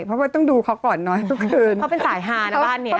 เพราะว่าต้องดูเขาก่อนเนอะทุกคืนเขาเป็นสายฮานะบ้านเนี้ย